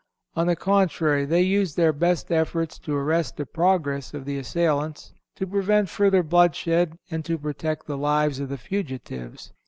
On the contrary, they used their best efforts to arrest the progress of the assailants, to prevent further bloodshed and to protect the lives of the fugitives.